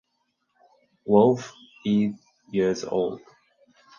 Wolfe is years old.